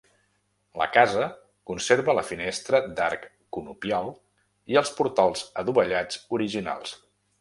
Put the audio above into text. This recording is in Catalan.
La casa conserva la finestra d'arc conopial i els portals adovellats originals.